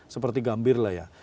seperti gambir lah ya